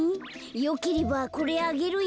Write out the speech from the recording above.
よければこれあげるよ。